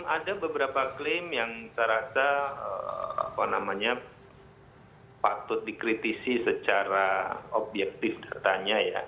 ada beberapa klaim yang saya rasa patut dikritisi secara objektif datanya ya